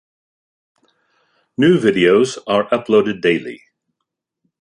New videos are uploaded daily.